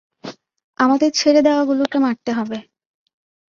আমাদের ছেড়ে দেওয়াগুলোকে মারতে হবে।